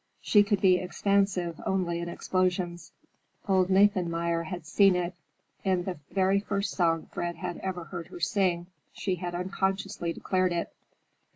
She could be expansive only in explosions. Old Nathanmeyer had seen it. In the very first song Fred had ever heard her sing, she had unconsciously declared it.